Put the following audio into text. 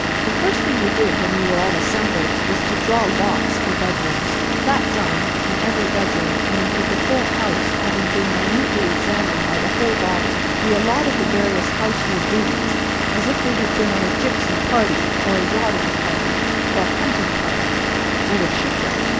The first thing we did when we were all assembled, was, to draw lots for bedrooms. That done, and every bedroom, and, indeed, the whole house, having been minutely examined by the whole body, we allotted the various household duties, as if we had been on a gipsy party, or a yachting party, or a hunting party, or were shipwrecked.